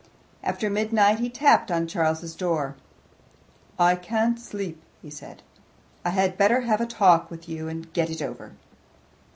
After midnight he tapped on Charles's door. "I can't sleep," he said. "I had better have a talk with you and get it over."